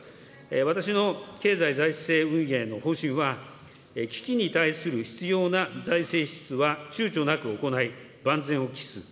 私の経済財政運営の方針は、危機に対する必要な財政支出はちゅうちょなく行い、万全を期す。